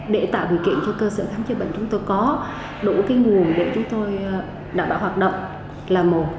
để tạo điều kiện cho cơ sở khám chữa bệnh chúng tôi có đủ cái nguồn để chúng tôi đảm bảo hoạt động là một